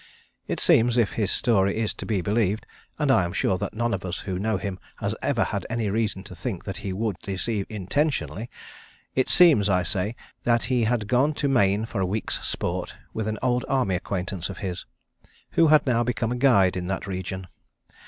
It seems, if his story is to be believed, and I am sure that none of us who know him has ever had any reason to think that he would deceive intentionally; it seems, I say, that he had gone to Maine for a week's sport with an old army acquaintance of his, who had now become a guide in that region.